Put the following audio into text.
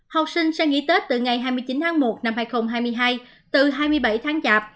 học sinh sẽ nghỉ tết từ ngày hai mươi chín tháng một năm hai nghìn hai mươi hai từ hai mươi bảy tháng chạp